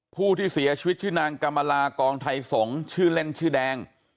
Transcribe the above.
ผู้ที่เสียชีวิตชื่อนางกรรมลากองไทยสงศ์ชื่อเล่นชื่อแดง